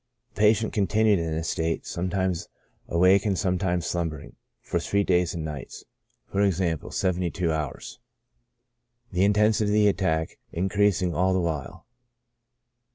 The patient continued in this state, sometimes awake and sometimes slumbering, for three days and nights, (/.^., 72 hours,) the intensity of the attack increasing all the while.